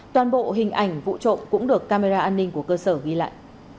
toàn bộ hình ảnh vụ trộm cũng được camera an ninh của cơ sở ghi lại